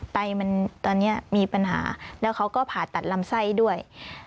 ไตมันตอนนี้มีปัญหาแล้วเขาก็ผ่าตัดลำไส้ด้วย